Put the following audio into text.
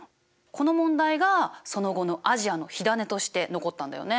この問題がその後のアジアの火種として残ったんだよね。